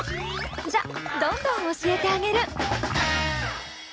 じゃどんどん教えてあげる！